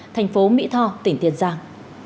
thành phố mỹ tho tỉnh tiền giang